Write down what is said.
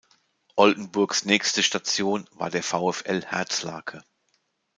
Oldenburgs nächste Station war der VfL Herzlake.